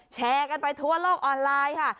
แชร์กันไปทั่วโลกออนไลน์ค่ะ